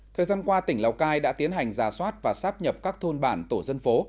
thời gian qua tỉnh lào cai đã tiến hành giả soát và sắp nhập các thôn bản tổ dân phố